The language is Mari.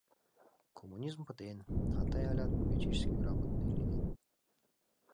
Коммунизм пытен, а тый алят политически грамотный лийнет.